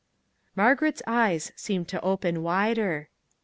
Margaret's eyes seemed to open wider.